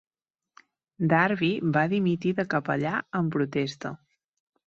Darby va dimitir de capellà en protesta.